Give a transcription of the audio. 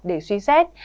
để suy xét